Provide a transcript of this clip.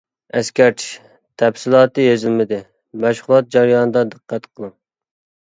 ئەسكەرتىش: تەپسىلاتى يېزىلمىدى، مەشغۇلات جەريانىدا دىققەت قىلىڭ.